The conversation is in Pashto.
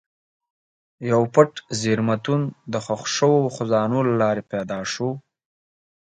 یو پټ زېرمتون د ښخ شوو خزانو له لارې پیدا شو.